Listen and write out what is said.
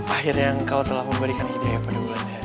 akhirnya engkau telah memberikan ide pada bulan hari